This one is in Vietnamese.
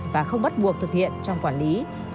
và không bắt buộc thực hiện trong quản lý